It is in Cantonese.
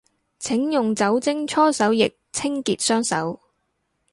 請用酒精搓手液清潔雙手